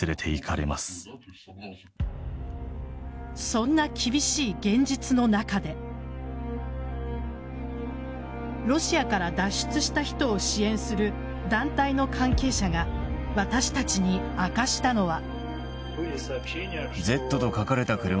そんな厳しい現実の中でロシアから脱出した人を支援する団体の関係者が私たちに明かしたのは。